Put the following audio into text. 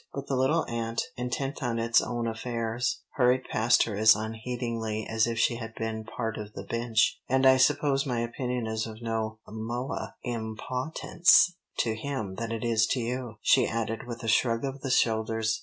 But the little ant, intent on its own affairs, hurried past her as unheedingly as if she had been part of the bench. "And I suppose my opinion is of no moah impawtance to him than it is to you," she added, with a shrug of the shoulders.